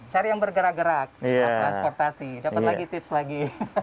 cari yang bergerak gerak transportasi dapat lagi tips lagi